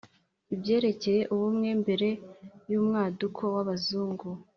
Ibyerekeye ubumwe mbere y'umwaduko w'Abazungu